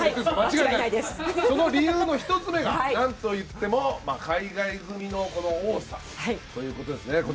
その理由の１つ目が何といっても海外組の多さということですね。